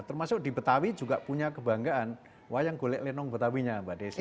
termasuk di betawi juga punya kebanggaan wayang golek lenong betawinya mbak desi